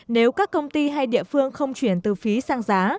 nếu các công ty hay địa phương không chuyển từ phí sang giá